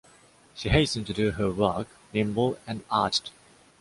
She hasten to do her work, nimble and arched.